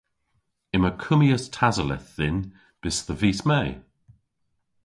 Yma kummyas tasoleth dhyn bys dhe vis Me.